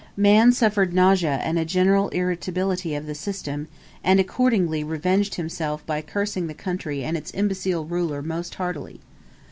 Man suffered nausea and a general irritability of the system, and accordingly revenged himself by cursing the country and its imbecile ruler most heartily.